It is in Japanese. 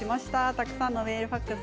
たくさんのメール、ファックス